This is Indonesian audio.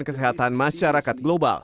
kesehatan masyarakat global